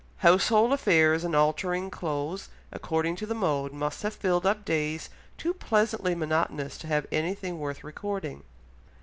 Household affairs and altering clothes according to the mode must have filled up days too pleasantly monotonous to have anything worth recording.